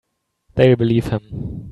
They'll believe him.